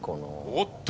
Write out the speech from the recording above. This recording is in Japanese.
おっと！